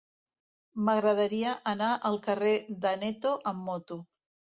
M'agradaria anar al carrer d'Aneto amb moto.